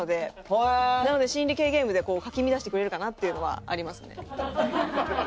なので心理系ゲームでかき乱してくれるかなっていうのはありますね。